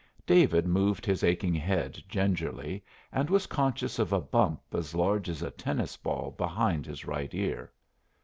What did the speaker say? David moved his aching head gingerly, and was conscious of a bump as large as a tennis ball behind his right ear.